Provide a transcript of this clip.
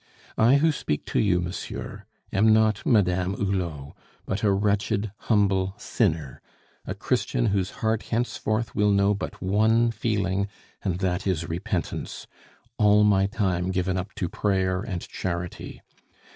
"I who speak to you, monsieur, am not Madame Hulot, but a wretched, humble sinner, a Christian whose heart henceforth will know but one feeling, and that is repentance, all my time given up to prayer and charity.